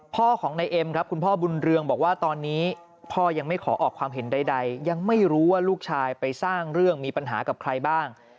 พ่อของนายเอ็มครับคุณพ่อบุญเรืองบอกว่าตอนนี้พ่อยังไม่ขอออกความเห็นใดยังไม่รู้ว่าลูกชายไปสร้างเรื่องมีปัญหากับใครบ้าง